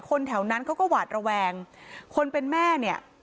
แถวนั้นเขาก็หวาดระแวงคนเป็นแม่เนี่ย